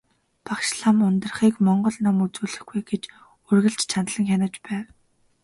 Багш лам Ундрахыг монгол ном үзүүлэхгүй гэж үргэлж чандлан хянаж байв.